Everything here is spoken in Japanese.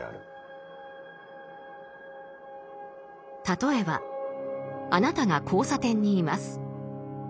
例えばあなたが交差点にいます。